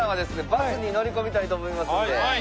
バスに乗り込みたいと思いますので。